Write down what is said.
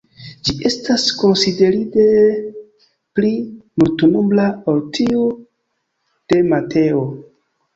Ĝi estas konsiderinde pli multnombra ol tiu de Mateo.